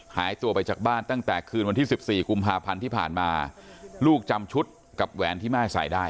หายตัวไปจากบ้านตั้งแต่คืนวันที่๑๔กุมภาพันธ์ที่ผ่านมาลูกจำชุดกับแหวนที่แม่ใส่ได้